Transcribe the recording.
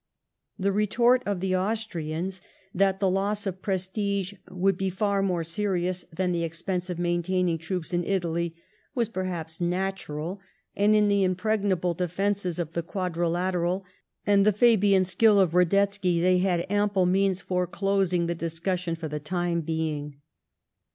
The retort of the Austrians, thai 124 LIFE OF VISCOUNT PALMEEBTON. the loss of prestige would be far more serioas than the expense of maintainiDg troops in Italy, was perhaps natural; and in the impregnable defences of the Quadrilateral, and the Fabian skill of Badetzky, they had ample means for closing the discussion for the time being.